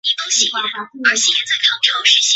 天津官医院是北洋军医学堂的附属医院。